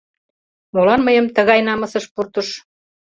Молан мыйым тыгай намысыш пуртыш?..